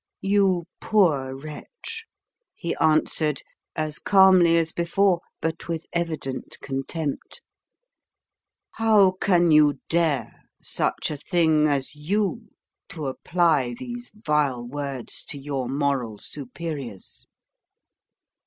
"You poor wretch!" he answered, as calmly as before, but with evident contempt; "how can you dare, such a thing as you, to apply these vile words to your moral superiors?